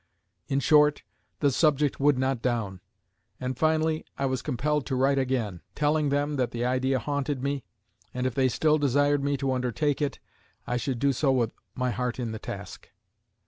In short, the subject would not down, and finally, I was compelled to write again, telling them that the idea haunted me, and if they still desired me to undertake it, I should do so with my heart in the task.